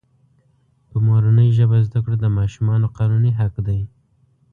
په مورنۍ ژبه زده کړه دماشومانو قانوني حق دی.